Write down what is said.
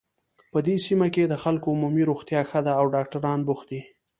په دې سیمه کې د خلکو عمومي روغتیا ښه ده او ډاکټران بوخت دي